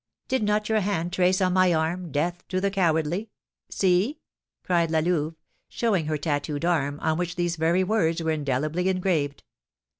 "Did not your hand trace on my arm 'Death to the cowardly?' See!" cried La Louve, showing her tattooed arm, on which these very words were indelibly engraved.